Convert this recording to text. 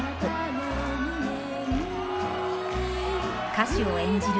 歌手を演じる